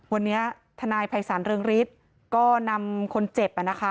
วันนี้ทนายภัยศาลเรืองฤทธิ์ก็นำคนเจ็บนะคะ